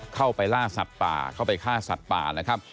เข้าไปล่าสัตว์ป่าเข้าไปฆ่าสัตว์ป่านะครับ